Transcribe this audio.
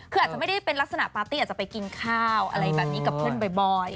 ก็ไม่ได้เป็นลักษณะปาร์ตี้อาจจะไปกินข้าวแบบนี้กับเพื่อนบ่อย